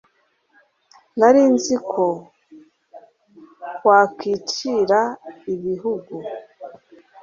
Nari nzi ko wakwicriara ibihugu,